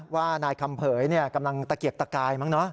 ว่านายคำเผยกำลังตะเกียกตะกายมั้ง